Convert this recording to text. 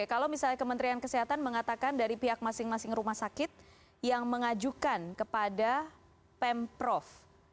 kalau misalnya kementerian kesehatan mengatakan dari pihak masing masing rumah sakit yang mengajukan kepada pemprov